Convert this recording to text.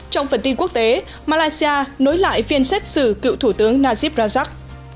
trong phần tin quốc tế malaysia nối lại phiên xét xử cựu thủ tướng najib rajak